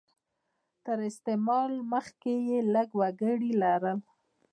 تر استعمار مخکې یې لږ وګړي لرل.